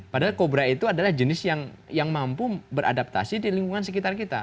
padahal kobra itu adalah jenis yang mampu beradaptasi di lingkungan sekitar kita